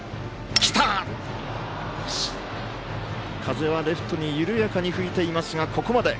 風はレフトに緩やかに吹いていますがここまで。